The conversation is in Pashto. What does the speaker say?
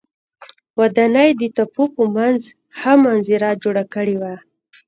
ودانۍ د تپو په منځ ښه منظره جوړه کړې وه.